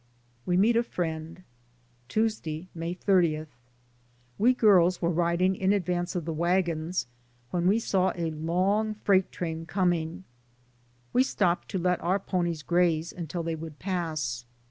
WE MEET A ERIEND. Tuesday, May 30. We girls were riding in advance of the wagons when we saw a long freight train coming. We stopped to let our ponies graze until they would pass.